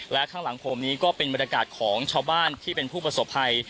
และข้างหลังผมนี้ก็เป็นบรรยากาศของชาวบ้านที่เป็นผู้ประสบภัย